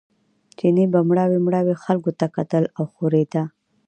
چیني به مړاوي مړاوي خلکو ته کتل او ځورېده.